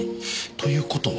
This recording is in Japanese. という事は。